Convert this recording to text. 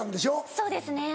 そうですね。